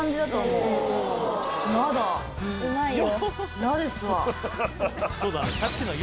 うまいよ。